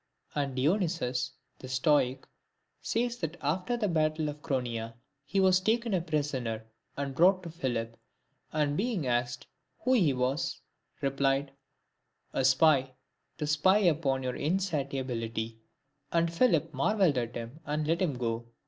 And Dionysius, the Stoic, says that after the battle of Charon ea he was taken prisoner and brought to Philip ; and being asked who he was, replied, " A spy, to spy upon your insatiability." And Philip marvelled at him and let him go.